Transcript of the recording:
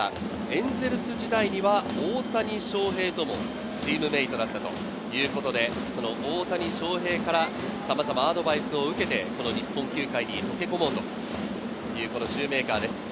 エンゼルス時代には大谷翔平ともチームメートだったということで、その大谷翔平からさまざまなアドバイスを受けて、この日本球界に乗り込もうというシューメーカーです。